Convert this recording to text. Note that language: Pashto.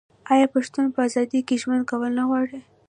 آیا پښتون په ازادۍ کې ژوند کول نه غواړي؟